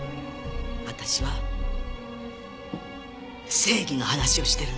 私は正義の話をしてるの。